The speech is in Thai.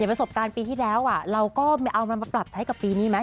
ประสบการณ์ปีที่แล้วเราก็เอามันมาปรับใช้กับปีนี้ไหม